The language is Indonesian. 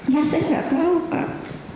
ya saya nggak tahu pak